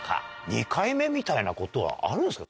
２回目みたいなことはあるんですか？